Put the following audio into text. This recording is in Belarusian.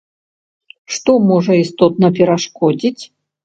Што можа істотна перашкодзіць?